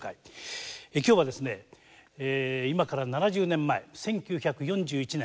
今日は今から７０年前１９４１年